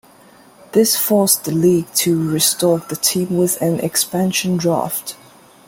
This forced the league to restock the team with an expansion draft.